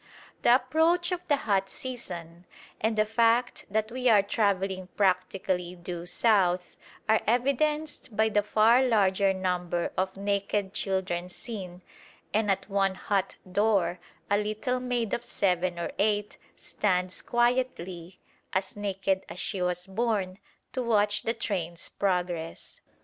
The approach of the hot season and the fact that we are travelling practically due south are evidenced by the far larger number of naked children seen, and at one hut door a little maid of seven or eight stands quietly, as naked as she was born, to watch the train's progress.